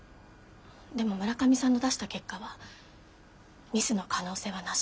でも村上さんの出した結果は「ミスの可能性はなし」。